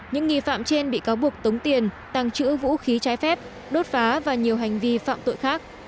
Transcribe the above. những nghi phạm trên bị cáo buộc tống tiền tăng trữ vũ khí trái phép đốt phá và nhiều hành vi phạm tội khác